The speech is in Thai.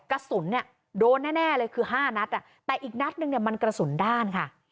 กระสุนเนี่ยโดนแน่เลยคือ๕นัดแต่อีกนัดนึงเนี่ยมันกระสุนด้านค่ะ